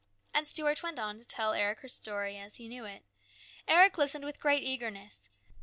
And Stuart went on to tell Eric her story as he knew it. Eric listened with great eagerness.